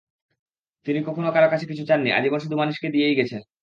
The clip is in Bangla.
তিনি কখনো কারও কাছে কিছু চাননি, আজীবন শুধু মানুষকে দিয়েই গেছেন।